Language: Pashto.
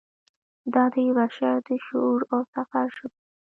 دا د بشر د شعور او سفر ژبه ده.